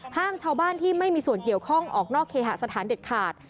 ห้ามชาวบ้านที่ไม่มีส่วนเกี่ยวข้องออกนอกเคหสถานเด็ดขาด